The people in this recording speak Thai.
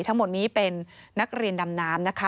ทั้งหมดนี้เป็นนักเรียนดำน้ำนะคะ